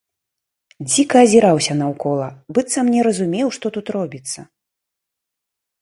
Дзіка азіраўся наўкола, быццам не разумеў, што тут робіцца.